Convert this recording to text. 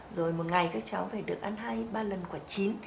rồi một ngày các cháu phải được ăn hai ba lần quả chín